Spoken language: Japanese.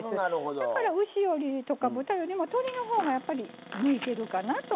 だから牛とか豚よりも鶏のほうがやっぱり向いてるかなと思います。